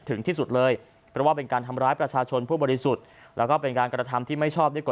เพราะว่าเป็นการทำร้ายประชาชนผู้บริสุทธิ์และเป็นการกระทำที่ไม่ชอบประสงค์